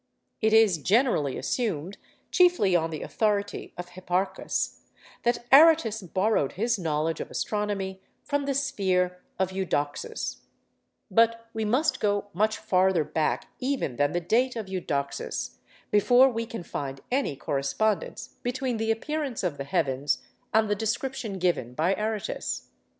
It is generally assumed—chiefly on the authority of Hipparchus—that Aratus borrowed his knowledge of astronomy from the sphere of Eudoxus; but we must go much farther back even than the date of Eudoxus, before we can find any correspondence between the appearance of the heavens and the description given by Aratus.